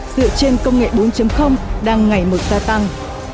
dựa trên công nghệ bốn đang ngày mực gia tăng